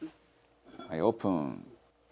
「はいオープン」